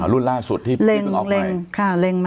อ๋อรุ่นล่าสุดที่เพิ่งออกใหม่